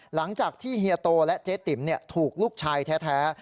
หลังจากที่เฮียโตและเจ๊ติ๋มถูกลูกชายแท้